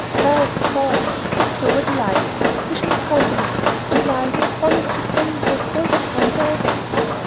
"Why, of course," said Clover, delighted. "We shall count on it, and Lion has promised to stay with us all the time you are away."